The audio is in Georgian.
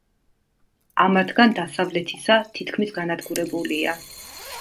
ამათგან დასავლეთისა თითქმის განადგურებულია.